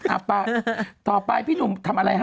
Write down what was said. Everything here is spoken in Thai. เอาไปต่อไปพี่หนุ่มทำอะไรฮะ